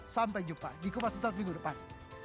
sampai jumpa di kupas tuntas minggu depan